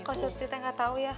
kok serta teta nggak tahu ya